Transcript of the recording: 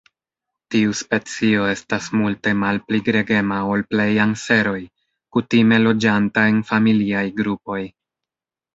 Tiu specio estas multe malpli gregema ol plej anseroj, kutime loĝanta en familiaj grupoj.